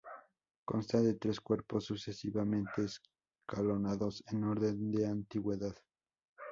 Consta de tres cuerpos, sucesivamente escalonados en orden de antigüedad.